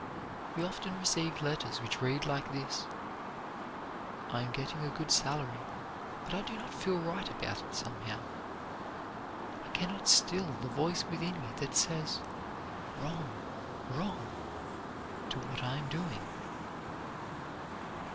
We often receive letters which read like this: "I am getting a good salary; but I do not feel right about it, somehow. I can not still the voice within me that says, 'Wrong, wrong,' to what I am doing."